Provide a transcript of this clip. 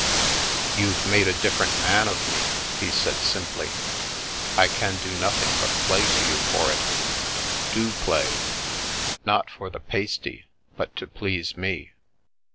" You've made a different man of me," he said sim ply. " I can do nothing but play to you for it." " Do play — not for the pasty, but to please me."